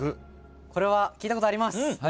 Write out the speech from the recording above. これは聞いたことあります。